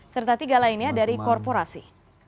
serta tiga lainnya dari korporasi